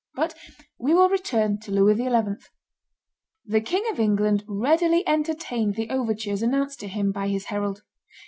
But we will return to Louis XI. The King of England readily entertained the overtures announced to him by his herald.